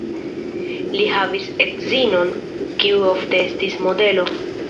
Li havis edzinon, kiu ofte estis modelo.